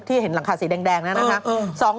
ที่เห็นหลังคาสีแดงนั้น